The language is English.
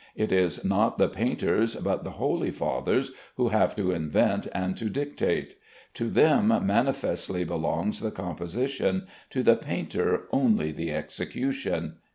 It is not the painters, but the holy fathers, who have to invent and to dictate. "To them manifestly belongs the composition, to the painter only the execution."